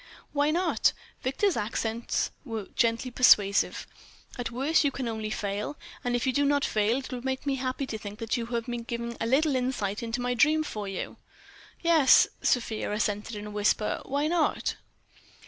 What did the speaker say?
"Why not?" Victor's accents were gently persuasive. "At worst, you can only fail. And if you do not fail, it will make me happy to think that you have been given a little insight into my dreams for you." "Yes," Sofia assented in a whisper—"why not?"